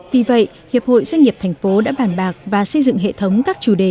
vì vậy hiệp hội doanh nghiệp thành phố đã bàn bạc và xây dựng hệ thống các chủ đề